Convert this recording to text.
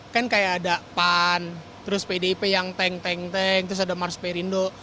kan kayak ada pan terus pdp yang tank tank tank terus ada mars perindo